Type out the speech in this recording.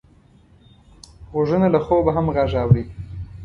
غوږونه له خوبه هم غږ اوري